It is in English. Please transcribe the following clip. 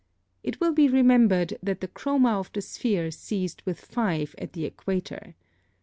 It will be remembered that the chroma of the sphere ceased with 5 at the equator.